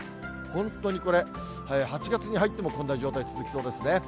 本当にこれ、８月に入ってもこんな状態続きそうですね。